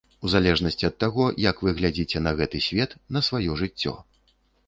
У залежнасці ад таго, як вы глядзіце на гэты свет, на сваё жыццё.